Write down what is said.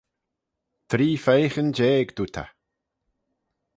Three feiyghyn jeig, dooyrt eh.